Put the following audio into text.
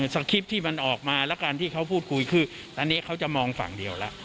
คริปต์ที่มันออกมาแล้วกันที่เขาพูดคุยคืออันนี้เขาจะมองฝั่งเดียวแล้ว